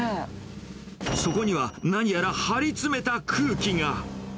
そこには、何やら張り詰めた空気が。